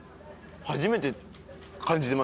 初めて感じてます